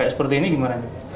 seperti ini gimana